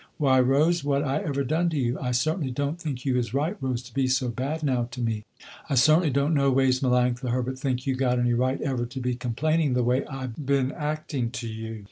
"Why Rose, what I ever done to you, I certainly don't think you is right Rose to be so bad now to me." "I certainly don't no ways Melanctha Herbert think you got any right ever to be complaining the way I been acting to you.